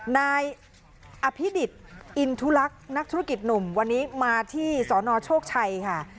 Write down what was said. นายอภิดิษฐ์อินทุลักษณ์นักธุรกิจหนุ่มวันนี้มาที่สนโชคชัยค่ะ